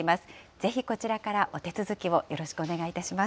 ぜひ、こちらからお手続きをよろしくお願いいたします。